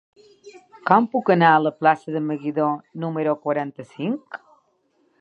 Com puc anar a la plaça de Meguidó número quaranta-cinc?